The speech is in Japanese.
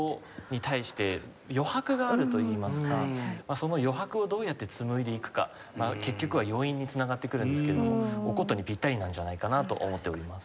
その余白をどうやって紡いでいくか結局は余韻に繋がってくるんですけれどもお箏にピッタリなんじゃないかなと思っております。